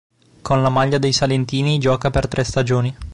Con la maglia dei salentini gioca per tre stagioni.